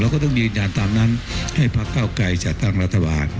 ก็ต้องยืนยันตามนั้นให้พักเก้าไกรจัดตั้งรัฐบาล